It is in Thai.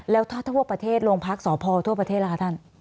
แล้วถ้าทั่วประเทศโรงพักสพทั่วประเทศล่ะคะท่าน